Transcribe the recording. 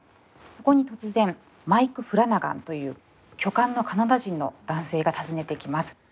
そこに突然マイク・フラナガンという巨漢のカナダ人の男性が訪ねてきます。